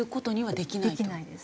できないです。